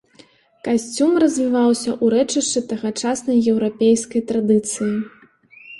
Касцюм развіваўся ў рэчышчы тагачаснай еўрапейскай традыцыі.